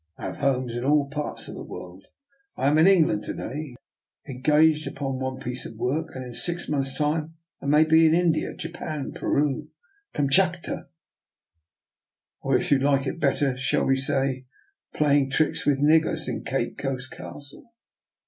I have homes in all parts of the world; I am in England to day, engaged upon one piece of work, and in six months' time I may be in India, Japan, Peru, Kamt chatka, or if you like it better, shall we say playing tricks with niggers in Cape Coast Cas tle?